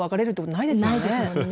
ないですもんね。